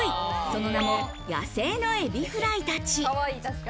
その名も、やせいのエビフライたち。